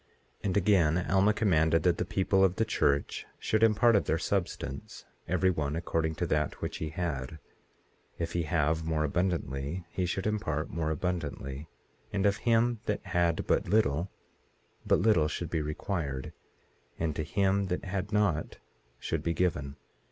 18:27 And again Alma commanded that the people of the church should impart of their substance, every one according to that which he had; if he have more abundantly he should impart more abundantly; and of him that had but little, but little should be required; and to him that had not should be given.